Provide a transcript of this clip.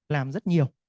làm rất nhiều